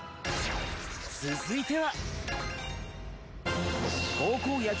続いては。